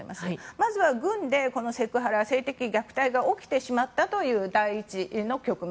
まずは軍でこのセクハラ性的虐待が起きてしまったという第１の局面。